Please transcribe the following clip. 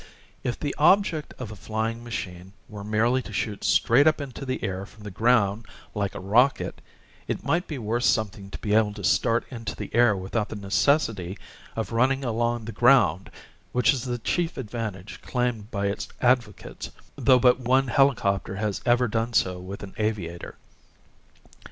If the object of a flying machine were merely to shoot straight up into the air from the ground like a rocket, it might be worth something to be able to start into the air without the necessity of running along the ground, which is the chief advantage claimed by its advocates, though but one helicopter has 741 38 AVIATION AND ITS FUTURE 742 AVIATION AND ITS FUTURE 39 ever done so with an aviator.